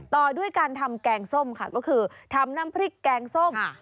ต่อด้วยการทำแกงส้มค่ะก็คือทำน้ำพริกแกงส้ม